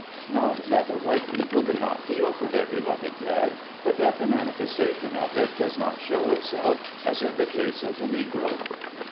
Not that the white people do not feel for their beloved dead, but that the manifestation of it does not show itself, as in the case of the Negro.